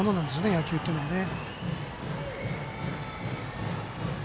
野球っていうのはね。